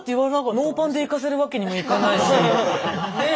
ノーパンで行かせるわけにもいかないしねえ